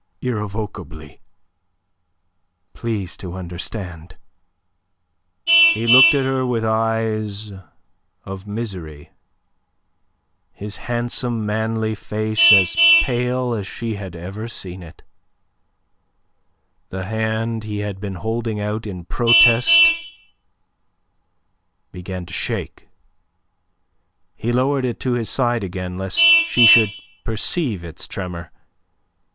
irrevocably, please to understand." He looked at her with eyes of misery, his handsome, manly face as pale as she had ever seen it. The hand he had been holding out in protest began to shake. He lowered it to his side again, lest she should perceive its tremor.